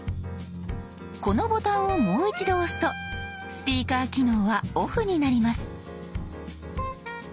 このボタンをもう一度押すとスピーカー機能はオフになります。